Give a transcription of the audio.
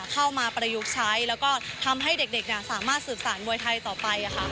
ประยุกต์ใช้แล้วก็ทำให้เด็กสามารถสืบสารมวยไทยต่อไป